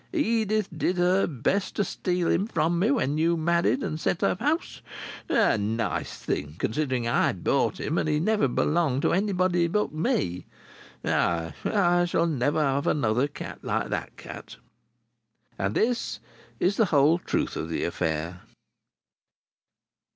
Edith did her best to steal him from me when you married and set up house. A nice thing considering I bought him and he never belonged to anybody but me! Ay! I shall never have another cat like that cat." And this is the whole truth of the affair.